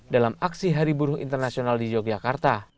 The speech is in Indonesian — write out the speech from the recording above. dalam aksi hari buruh internasional di yogyakarta